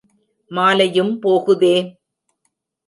மாலையும் போகுதே!